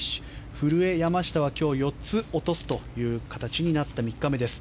古江、山下は今日４つ落とす形になった３日目です。